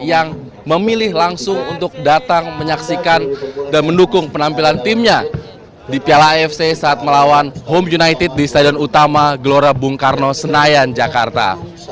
yang memilih langsung untuk datang menyaksikan dan mendukung penampilan timnya di piala afc saat melawan home united di stadion utama gelora bung karno senayan jakarta